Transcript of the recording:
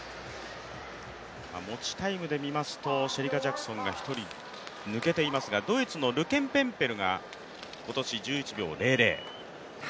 持ちタイムで見ますと、シェリカ・ジャクソンが１人抜けていますが、ドイツのルケンケムペルが今年１１秒００。